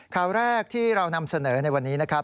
ข่าวแรกที่เรานำเสนอในวันนี้นะครับ